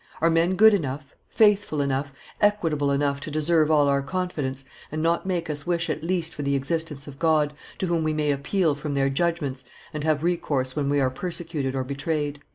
Are men good enough, faithful enough, equitable enough to deserve all our confidence, and not make us wish at least for the existence of God, to whom we may appeal from their judgments and have recourse when we are persecuted or betrayed?"